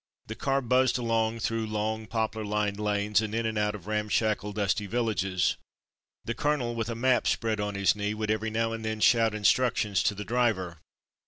The car buzzed along through long poplar lined lanes, and in and out of ramshackle dusty villages. The colonel, with a map spread on his knee, would every now and then shout instructions to the driver.